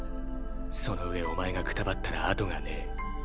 その上お前がくたばったら後がねぇ。